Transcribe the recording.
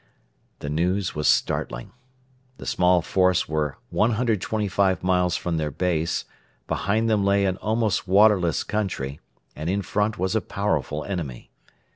The news was startling. The small force were 125 miles from their base; behind them lay an almost waterless country, and in front was a powerful enemy.